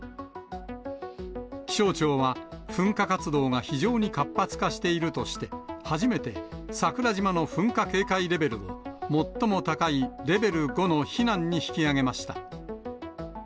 気象庁は、噴火活動が非常に活発化しているとして、初めて桜島の噴火警戒レベルを、最も高いレベル５の避難に引き上げました。